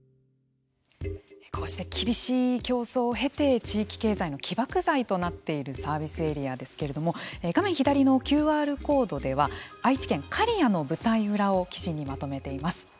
こうして厳しい競争を経て地域経済の起爆剤となっているサービスエリアですけれども画面左のＱＲコードでは愛知県刈谷の舞台裏を記事にまとめています。